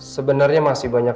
sebenarnya masih banyak